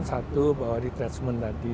satu bahwa di treatment tadi